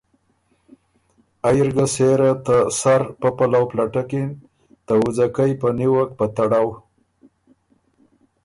ائ اِر ګۀ سېره ته سر پۀ پلؤ پلټکِن، ته وُځکئ په نیوک په تړؤ